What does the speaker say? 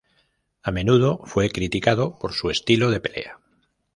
A menudo fue criticado por su estilo de pelea.